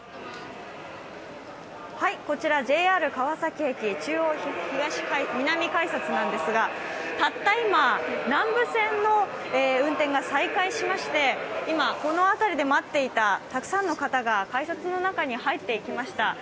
こちらＪＲ川崎駅中央南改札なんですが、たった今、南武線の運転が再開しまして、今、この辺りで待っていたたくさんの方が改札の中に入っていきました。